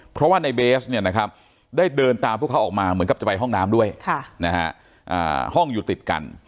เพราะว่าในเบสได้เดินตามพวกเขาออกมาเหมือนกับจะไปห้องน้ำด้วยห้องอยู่ติดกัน